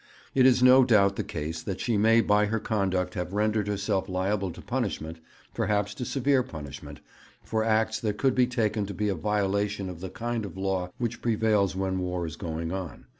'It is no doubt the case that she may by her conduct have rendered herself liable to punishment, perhaps to severe punishment, for acts that could be taken to be a violation of the kind of law which prevails when war is going on.